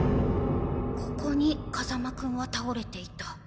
ここに風間くんは倒れていた。